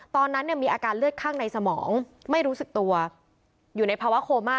ตอนนั้นมีอาการเลือดข้างในสมองไม่รู้สึกตัวอยู่ในภาวะโคม่า